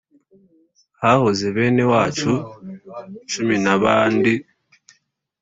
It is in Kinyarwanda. hahoze benewacu cumi n’abandi